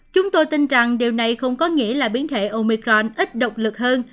chúng tôi tin rằng điều này không có nghĩa là biến thể omicron ít động lực hơn